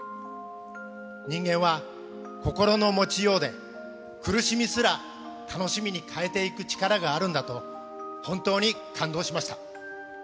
人間は心の持ちようで、苦しみすら楽しみに変えていく力があるんだと、本当に感動しました。